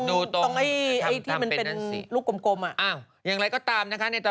เซลเซียสเท่ากับ๒๔